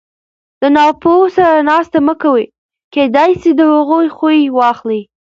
د ناپوهو سره ناسته مه کوئ! کېداى سي د هغو خوى واخلى!